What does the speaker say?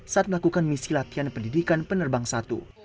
saat melakukan misi latihan pendidikan penerbang satu